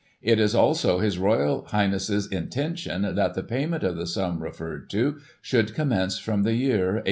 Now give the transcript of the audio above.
It is also His Royal Highness's intention that the payment of the sum referred to should commence from the year 1 841."